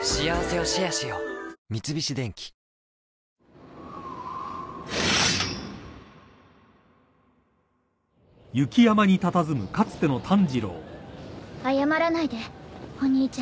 三菱電機謝らないでお兄ちゃん。